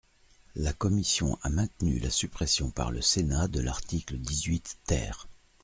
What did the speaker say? La commission a maintenu la suppression par le Sénat de l’article dix-huit ter.